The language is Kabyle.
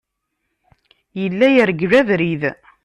Yella yergel abrid.